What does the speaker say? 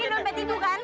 ini dompet itu kan